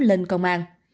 lên công an